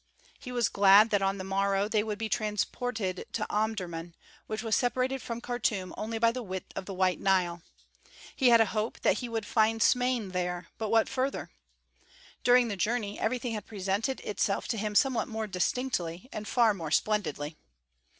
He was glad that on the morrow they would be transported to Omdurmân, which was separated from Khartûm only by the width of the White Nile; he had a hope that he would find Smain there, but what further? During the journey everything had presented itself to him somewhat more distinctly and far more splendidly.